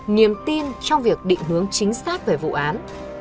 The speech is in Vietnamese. niềm tin trong việc định hướng chính xác về vụ án